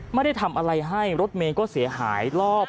ไม่ได้ทำอะไรให้รถเมย์ก็เสียหายรอบ